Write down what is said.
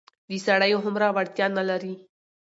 د سړيو هومره وړتيا نه لري.